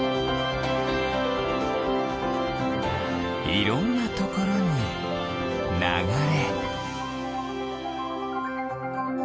いろんなところにながれ。